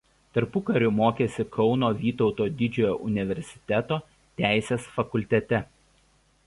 Tarpukariu mokėsi Kauno Vytauto Didžiojo universiteto teisės fakultete.